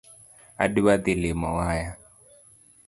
Adwa dhi limo waya.